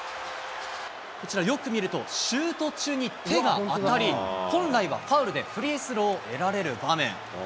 こちら、よく見ると、シュート中に手が当たり、本来はファウルで、フリースローを得られる場面。